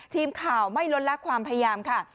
ทีมข่าวไม่ลดละความพยายามค่ะ